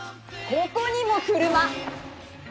ここにも車。